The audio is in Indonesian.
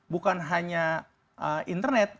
bukan hanya internet